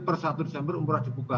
per satu desember umroh dibuka